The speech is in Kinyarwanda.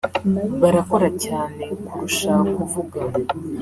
barakora cyane kurusha kuvuga